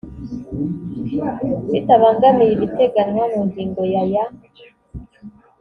bitabangamiye ibiteganywa mu ngingo ya ya